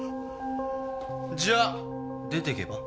じゃあ出てけば？